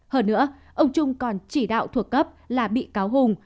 hơn nữa ông trung còn chỉ đạo thuộc cấp là bị cáo hùng